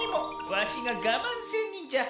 わしがガマンせんにんじゃ。